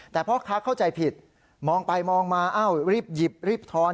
แต่พ่อค้าเข้าใจผิดมองไปมองมาอ้าวรีบหยิบรีบทอน